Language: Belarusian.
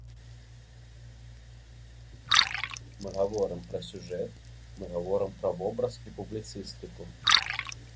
Мы гаворым пра сюжэт, мы гаворым пра вобраз і публіцыстыку.